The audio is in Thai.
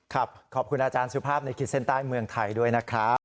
ขอบคุณอาจารย์สุภาพในขีดเส้นใต้เมืองไทยด้วยนะครับ